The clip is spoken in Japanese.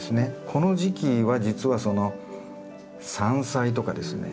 この時期は実はその山菜とかですね